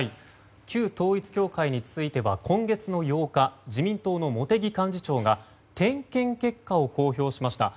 旧統一教会については今月の８日自民党の茂木幹事長が点検結果を公表しました。